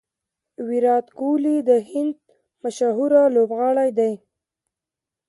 ویرات کهولي د هند مشهوره لوبغاړی دئ.